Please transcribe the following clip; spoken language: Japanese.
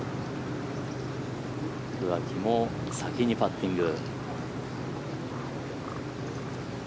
桑木も先にパッティング。